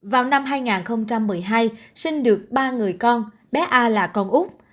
vào năm hai nghìn một mươi hai sinh được ba người con bé a là con úc